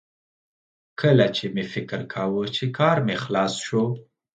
کله چې مې فکر کاوه چې کار مې خلاص شو